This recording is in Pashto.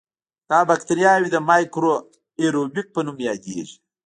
دا بکټریاوې د میکرو آئیروبیک په نوم یادیږي.